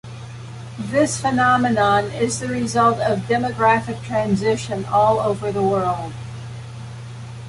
This phenomenon is the result of demographic transition all over the world.